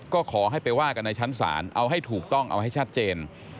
ก็ขอให้ไปว่ากันในชั้นศาลเอาให้ถูกต้องเอาให้ชัดเจน